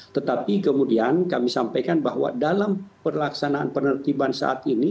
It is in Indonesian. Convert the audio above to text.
tetapi kemudian kami sampaikan bahwa dalam perlaksanaan penertiban saat ini